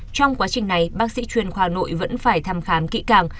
trong quá trình này bác sĩ chuyên khoa nội vẫn phải thăm khám kỹ càng